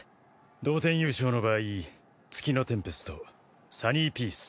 同点優勝の場合月のテンペストサニーピース。